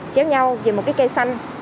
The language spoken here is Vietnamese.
chéo nhau về một cái cây xanh